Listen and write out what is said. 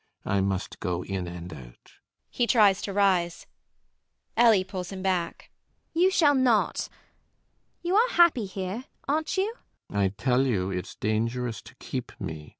I must go in and out. [He tries to rise]. ELLIE [pulling him back]. You shall not. You are happy here, aren't you? CAPTAIN SHOTOVER. I tell you it's dangerous to keep me.